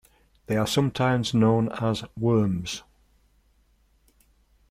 They are sometimes known as "worms".